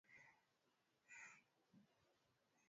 Kanada na Japani ambapo sera zenye nguvu sheria na mifumo ya